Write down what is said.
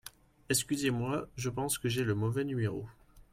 Excusez-moi, je pense que j'ai le mauvais numéro.